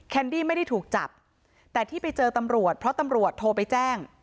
ดี้ไม่ได้ถูกจับแต่ที่ไปเจอตำรวจเพราะตำรวจโทรไปแจ้ง